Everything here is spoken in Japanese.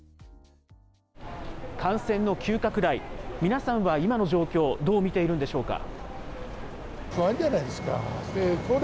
感染の急拡大、皆さんは今の状況、どう見ているんでしょうか。